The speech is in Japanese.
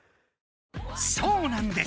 そうなんです！